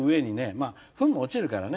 まあふんも落ちるからね。